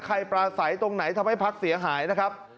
ใครปลาใสตรงไหนทำให้พรรคเสียหายนะครับ